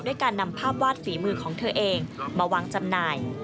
การนำภาพวาดฝีมือของเธอเองมาวางจำหน่าย